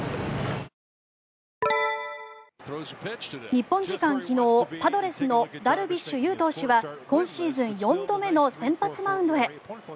日本時間昨日パドレスのダルビッシュ有投手は今シーズン４度目の先発マウンドへ。